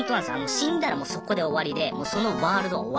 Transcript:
死んだらもうそこで終わりでもうそのワールドは終わるんです。